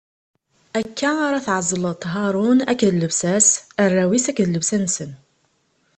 Akka ara tɛezleḍ Haṛun akked llebsa-s, arraw-is akked llebsa-nsen.